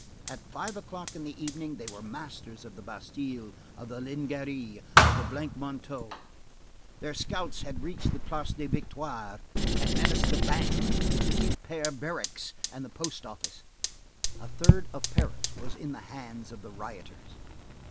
At five o'clock in the evening, they were masters of the Bastille, of the Lingerie, of the Blancs Manteaux; their scouts had reached the Place des Victoires, and menaced the Bank, the Petits Pères barracks, and the Post Office. A third of Paris was in the hands of the rioters.